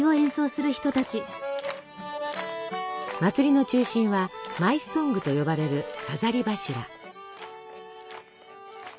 祭りの中心はマイストングと呼ばれる飾り柱。